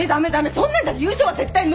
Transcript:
そんなんじゃ優勝は絶対無理！